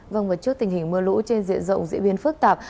vâng và trước tình hình mưa lũ trên diện rộng diễn biến phức tạp